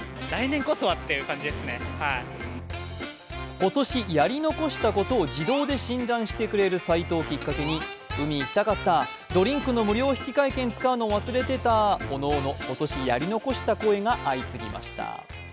今年やり残したことを自動診断してくれるサイトをきっかけに海行きたかった、ドリンクの無料引換券使うの忘れてた、おのおの今年やり残した声が相次ぎました。